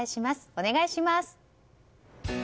お願いします。